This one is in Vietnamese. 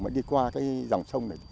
mà đi qua cái dòng sông này